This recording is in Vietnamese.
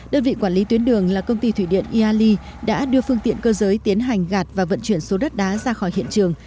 đơn vị quản lý tuyến đường là công ty thủy điện iali đã đưa phương tiện cơ giới tiến hành gạt và vận chuyển số đất đá ra khỏi hiện trường